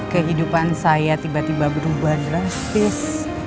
kehidupan saya tiba tiba berubah drastis